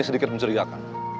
saya sedikit mencurigakan